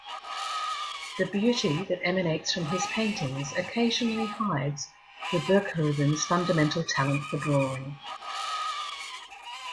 The beauty that emanates from his paintings occasionally hides Verboeckhoven's fundamental talent for drawing.